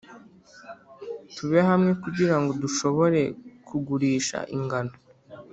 tube hamwe kugira ngo dushobore kugurisha ingano,